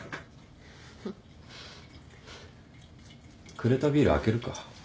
くれたビール開けるか。